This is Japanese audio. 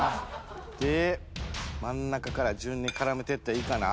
で真ん中から順に絡めてっていいかな？